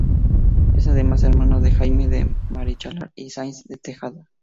Es además hermano de Jaime de Marichalar y Sáenz de Tejada.